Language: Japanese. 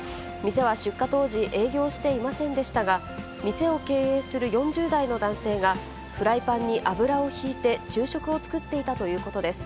店は出火当時、営業していませんでしたが、店を経営する４０代の男性がフライパンに油を引いて昼食を作っていたということです。